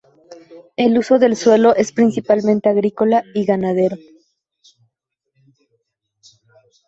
El uso del suelo es principalmente agrícola y ganadero.